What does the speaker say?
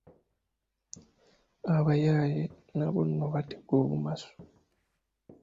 Abayaaye nabo nno batega obumasu!